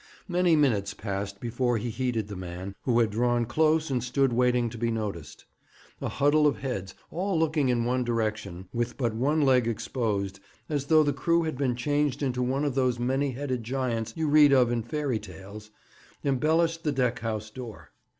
Many minutes passed before he heeded the man, who had drawn close and stood waiting to be noticed. A huddle of heads, all looking in one direction, with but one leg exposed, as though the crew had been changed into one of those many headed giants you read of in fairy tales, embellished the deck house door.